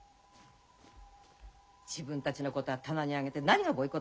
自分たちのことは棚に上げて何がボイコット。